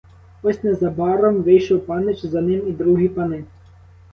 Ось незабаром вийшов панич, за ним і другі пани.